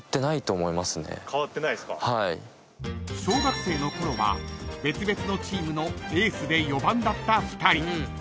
［小学生のころは別々のチームのエースで４番だった２人］